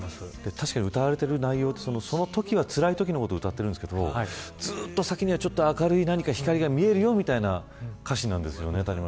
確かに歌われている内容ってそのときはつらいときのことを歌っているんですけどずっと先には、明るい何か光が見えるよみたいな歌詞なんですよね。